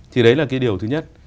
thì đấy là cái điều thứ nhất